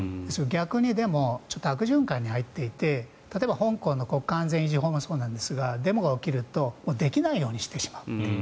逆に、でもちょっと悪循環に入っていて例えば香港の国家安全維持法がそうなんですがデモが起きるとできないようにしてしまう。